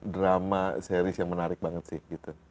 drama series yang menarik banget sih gitu